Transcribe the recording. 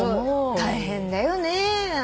大変だよね。